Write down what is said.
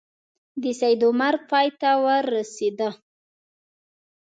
د سید عمر پای ته ورسېد.